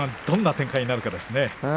どんな展開になるかですね。